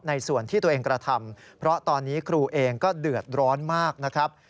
ในส่วนที่ตัวเองกระทำเพราะตอนนี้ครูเองก็เดือดร้อนมากนะครับ